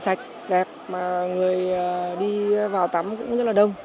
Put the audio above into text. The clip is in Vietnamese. bãi biển rất là sạch đẹp mà người đi vào tắm cũng rất là đông